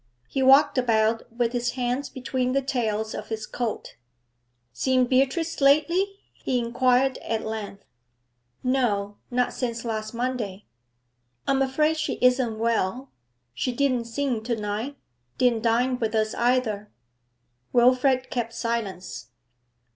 He walked about with his hands between the tails of his coat. 'Seen Beatrice lately?' he inquired at length. 'No; not since last Monday.' 'I'm afraid she isn't well. She didn't sing to night. Didn't dine with us either.' Wilfrid kept silence.